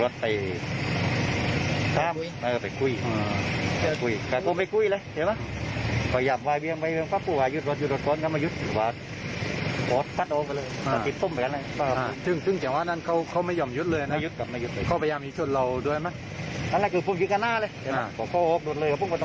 ดูดเลยดูดคืนฝ้าเลยไม่ได้รีกรรมดูดเลย